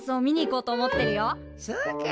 そうか。